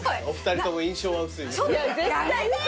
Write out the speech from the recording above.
お二人とも印象は薄い。